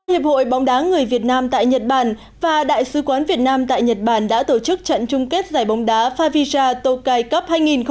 hiệp hội bóng đá người việt nam tại nhật bản và đại sứ quán việt nam tại nhật bản đã tổ chức trận chung kết giải bóng đá favisa tokai cup hai nghìn một mươi chín